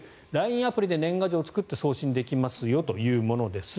アプリで年賀状を作って送信できますよというものです。